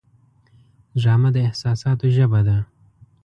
ډرامه د احساساتو ژبه ده